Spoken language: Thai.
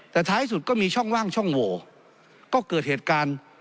แต่ท้ายสุดก็มีช่องว่างช่องโหวก็เกิดเหตุการณ์